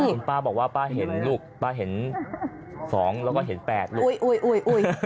คุณป้าบอกว่าป้าเห็นลูกป้าเห็น๒แล้วก็เห็น๘ลูกอุ๊ย